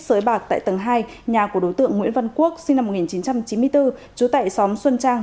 sới bạc tại tầng hai nhà của đối tượng nguyễn văn quốc sinh năm một nghìn chín trăm chín mươi bốn trú tại xóm xuân trang